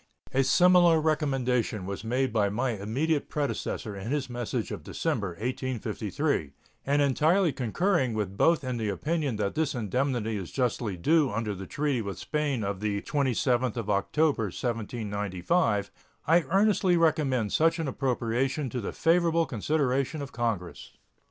A similar recommendation was made by my immediate predecessor in his message of December, 1853, and entirely concurring with both in the opinion that this indemnity is justly due under the treaty with Spain of the 27th of October, 1795, I earnestly recommend such an appropriation to the favorable consideration of Congress.